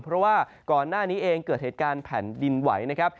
เพราะว่าก่อนหน้านี้เองเกิดเหตุการณ์แผ่นดินไหวนะครับ